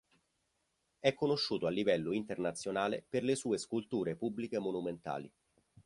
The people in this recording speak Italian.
È conosciuto a livello internazionale per le sue sculture pubbliche monumentali.